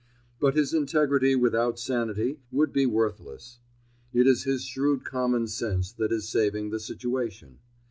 But his integrity without sanity would be worthless; it is his shrewd common sense that is saving the situation.